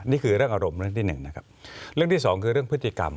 นี้คืออารมงี้อารมณ์ที่สอง